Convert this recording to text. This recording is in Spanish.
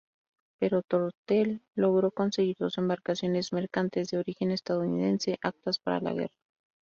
Pero Tortel logró conseguir dos embarcaciones mercantes de origen estadounidense actas para la guerra.